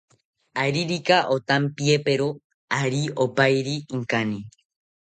Aririka otampiapero, ari oparie inkani